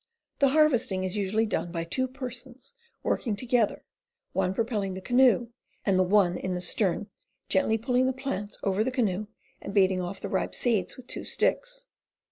The harvesting is usually done by two persons working to gether, one propelling the canoe, and the one in the stern gently pulling the plants over the canoe and beating off the ripe seed with two sticks.